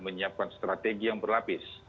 menyiapkan strategi yang berlapis